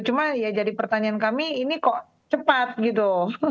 cuma ya jadi pertanyaan kami ini kok cepat gitu